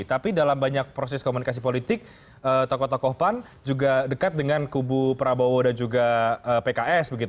tapi dalam banyak proses komunikasi politik tokoh tokoh pan juga dekat dengan kubu prabowo dan juga pks